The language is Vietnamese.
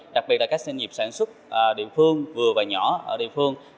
đặc biệt là các doanh nghiệp sản xuất địa phương vừa và nhỏ ở địa phương